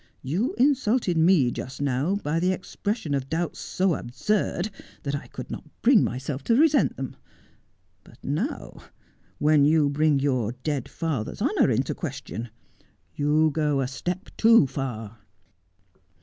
You insulted me just now by the expression of doubts so absurd that I could not bring myself to resent them. But now, when you bring your dead father's honour into question, you go a step too far.'